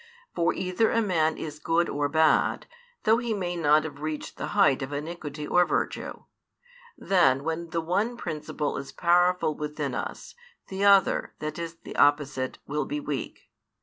For either a man is good or bad, though he may not have reached the height of iniquity or virtue. Then when the one principle is powerful within us, the other, that is the opposite, will be weak.